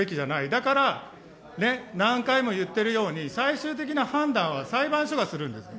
だから何回も言ってるように、最終的な判断は裁判所がするんです。